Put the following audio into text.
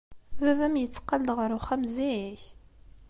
Baba-m yetteqqal-d ɣer uxxam zik?